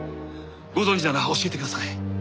ご存じなら教えてください。